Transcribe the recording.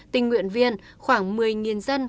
tình nguyện viên khoảng một mươi dân